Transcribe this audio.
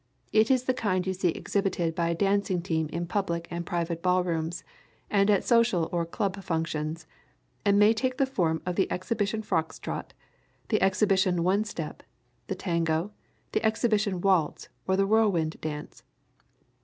It is the kind you see exhibited by a dancing team in public and private ballrooms and at social or club functions, and may take the form of the exhibition fox trot, the exhibition one step, the tango, the exhibition waltz or the whirlwind dance.